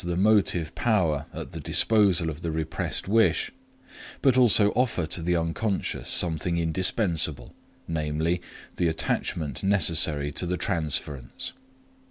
the motive power at the disposal of the repressed wish, but also offer to the unconscious something indispensable, namely, the attachment necessary to the transference.